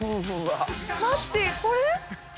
待ってこれ？